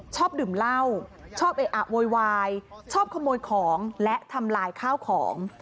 ชอบดื่มเหล้าชอบเอะอะโวยวายชอบขโมยของและทำลายข้าวของ